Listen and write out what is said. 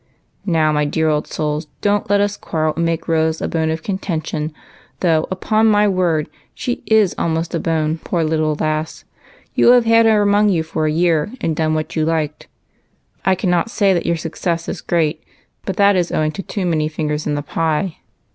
" Now, my dear souls, don't let us quarrel and make Rose a bone of contention, — though, upon my word, she is almost a bone, poor little lass ! You have had her among you for a year, and done what you liked. I cannot say that your success is great, but that is owing to too many fingers in the pie.